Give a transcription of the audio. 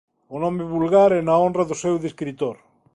O nome vulgar é na honra do seu descritor.